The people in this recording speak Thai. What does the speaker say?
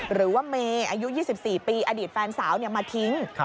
หรือว่าเมย์อายุ๒๔ปีอดีตแฟนสาวมาทิ้ง